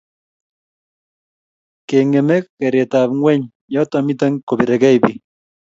kengeme keretab ngweny yoto mito kobiregei biik